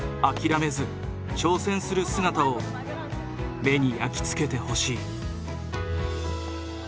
諦めず挑戦する姿を目に焼き付けてほしい。